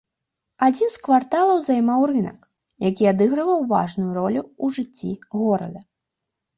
Адзін з кварталаў займаў рынак, які адыгрываў важную ролю ў жыцці горада.